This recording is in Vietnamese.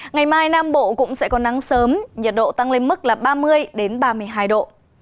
ngày mai nam bộ cũng sẽ có nắng sớm nhiệt độ tăng lên mức là ba mươi ba mươi hai độ